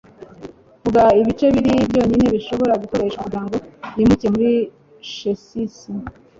Vuga Ibice bibiri byonyine bishobora gukoreshwa kugirango yimuke muri Chess?